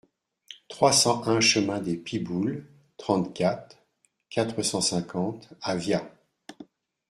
trois cent un chemin des Pibouls, trente-quatre, quatre cent cinquante à Vias